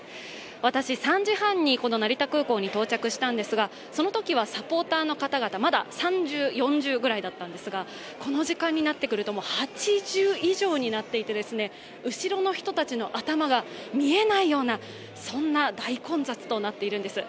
私、３時半にこの成田空港に到着したんですがそのときはサポーターの方々まだ３重、４重くらいだったんですがこの時間になってくると８重以上になっていて後ろの人たちの頭が見えないような大混雑となっているです。